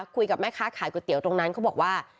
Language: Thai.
คุยกับแม่ค้าขายก๋วยเตี๋ยวตรงนั้นเขาบอกว่า